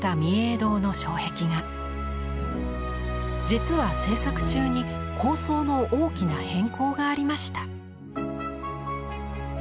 実は制作中に構想の大きな変更がありました。